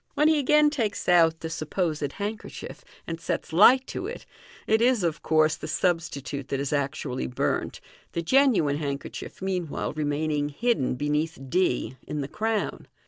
When he again takes out the (supposed) handkerchief, and sets light to it, it is, of course, the substitute that is actually burnt, the genuine handkerchief meanwhile remaining hidden beneath d in the crown.